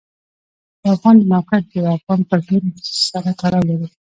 د افغانستان د موقعیت د افغان کلتور سره تړاو لري.